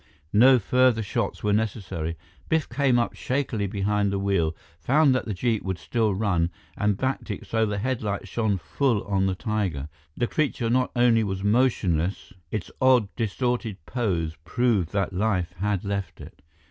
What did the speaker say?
No further shots were necessary. Biff came up shakily behind the wheel, found that the jeep would still run, and backed it so the headlights shone full on the tiger. The creature not only was motionless; its odd, distorted pose proved that life had left it.